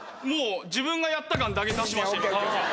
自分がやった感だけ出しました。